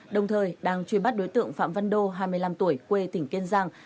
đồng thời đang truy bắt đối tượng phạm văn đô hai mươi năm tuổi quê tỉnh kiên giang